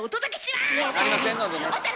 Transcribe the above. ありませんのでね。